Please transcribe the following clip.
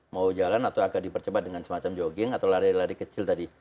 mau jalan atau agak dipercepat dengan semacam jogging atau lari lari kecil tadi